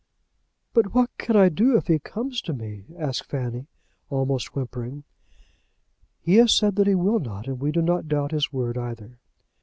"But what can I do if he comes to me?" asked Fanny, almost whimpering. "He has said that he will not, and we do not doubt his word either."